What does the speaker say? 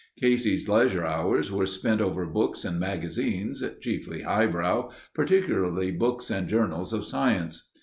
Casey's leisure hours were spent over books and magazines, chiefly highbrow—particularly books and journals of science.